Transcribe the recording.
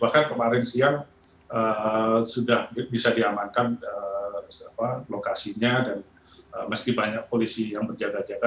bahkan kemarin siang sudah bisa diamankan lokasinya dan meski banyak polisi yang berjaga jaga